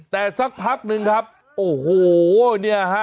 แต่สักพักนึงครับโอ้โหเนี่ยฮะ